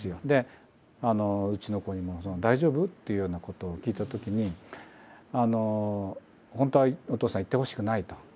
でうちの子にも「大丈夫？」っていうようなことを聞いたときに「本当はお父さん行ってほしくない」と。